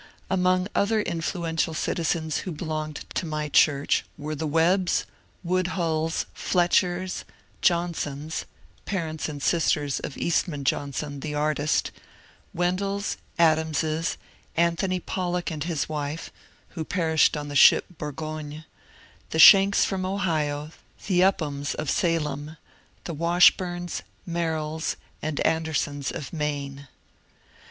Among other influential citizens who belonged to my church HON. WILLIAM CEANCH 201 were the Webbs, Woodhulls, Fletohers, Johnsons (parents and sisters of Eastman Johnson, the artist), Wendells, Adamses, Anthony PoUook and his wife, who perished on the ship Bourgogne, the Schencks from Ohio, the Uphams of Salem, the Washbumes, Merrills, and Ajidersons of Maine.